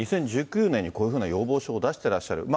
２０１９年にこういうふうな要望書を出してらっしゃる。